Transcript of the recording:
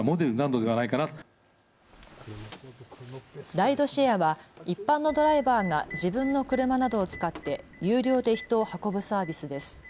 ライドシェアは一般のドライバーが自分の車などを使って有料で人を運ぶサービスです。